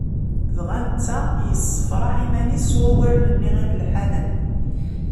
Dɣa netta yessefraḥ iman-is s wawlen-nni imelḥanen.